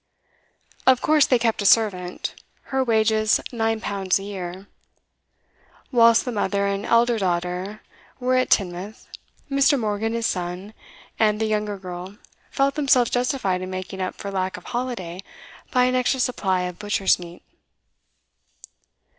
Of course they kept a servant, her wages nine pounds a year. Whilst the mother and elder daughter were at Teignmouth, Mr Morgan, his son, and the younger girl felt themselves justified in making up for lack of holiday by an extra supply of butcher's meat.